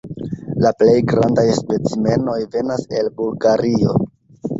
La plej grandaj specimenoj venas el Bulgario.